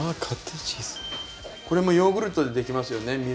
これもヨーグルトでできますよね